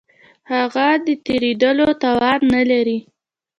هغه د تېرېدلو توان نه لري.